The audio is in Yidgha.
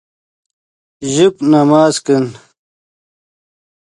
ژیب نماز کن